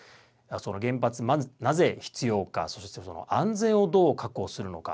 その原発なぜ必要かそして、その安全をどう確保するのか。